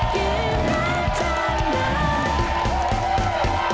เกมรับทางน้ำ